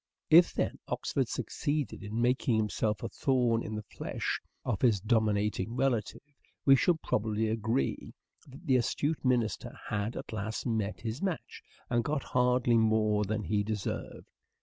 If, then, Oxford succeeded in making himself a thorn in the flesh of his dominating relative, we shall probably agree that the astute minister had at last met his match and got hardly more than he deserved.